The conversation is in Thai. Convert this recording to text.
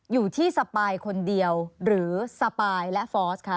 สปายคนเดียวหรือสปายและฟอสค่ะ